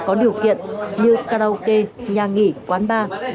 có điều kiện như karaoke nhà nghỉ quán bar